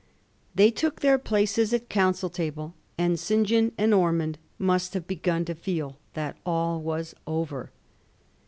They took their places at the Council table, and St. John and Ormond must have begun to feel that all was over.